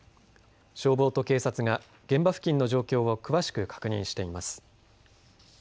消防と警察が現場付近の状況を詳しく確認しています。